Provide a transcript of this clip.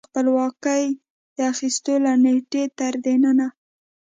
د خپلواکۍ د اخیستو له نېټې تر ننه